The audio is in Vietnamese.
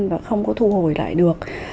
và không có thu hồi lại được